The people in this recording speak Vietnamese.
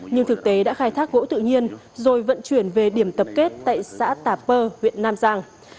nhưng thực tế đã khai thác gỗ tự nhiên rồi vận chuyển về điểm tập kết tại xã tà pơ huyện nam giang